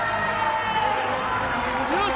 よし！